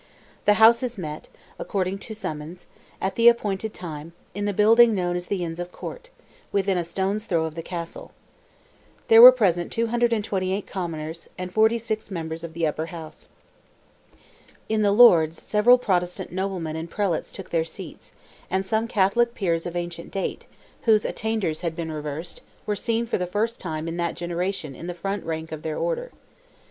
The Houses met, according to summons, at the appointed time, in the building known as "the Inns of Court," within a stone's throw of the castle. There were present 228 Commoners, and 46 members of the Upper House. In the Lords several Protestant noblemen and prelates took their seats, and some Catholic peers of ancient date, whose attainders had been reversed, were seen for the first time in that generation in the front rank of their order.